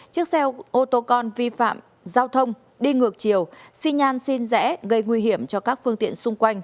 chiếc xe ô tô con vi phạm giao thông đi ngược chiều xin nhan xin rẽ gây nguy hiểm cho các phương tiện xung quanh